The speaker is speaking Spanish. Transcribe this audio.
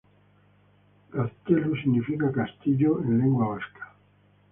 Gaztelu significa "castillo" en lengua vasca.